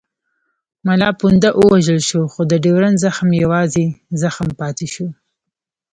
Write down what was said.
ملا پونده ووژل شو خو د ډیورنډ زخم یوازې زخم پاتې شو.